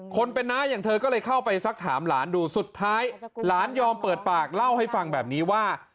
คนเป็นน้าอย่างเธอก็เลยเข้าไปสักถามหลานดูสุดท้ายหลานยอมเปิดปากเล่าให้ฟังแบบนี้ว่า